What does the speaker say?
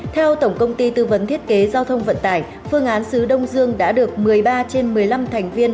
theo tổng công ty tư vấn thiết kế giao thông vận tải phương án xứ đông dương đã được một mươi ba trên một mươi năm thành viên